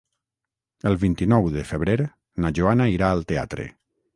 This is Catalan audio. El vint-i-nou de febrer na Joana irà al teatre.